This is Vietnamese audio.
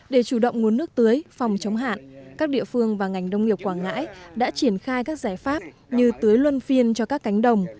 để chủ động nguồn nước tưới phòng chống hạn các địa phương và ngành đông nghiệp quảng ngãi đã triển khai các giải pháp như tưới luân phiên cho các cánh đồng